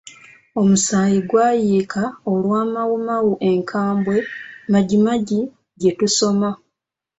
"Omusayi gwayiika Olwa Mau Mau enkambwe, MajiMaji gye tusoma"